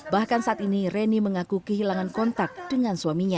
bahkan saat ini reni mengaku kehilangan kontak dengan suaminya